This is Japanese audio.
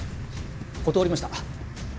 断りました。